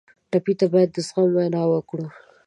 ټپي ته باید د زغم وینا وکړو.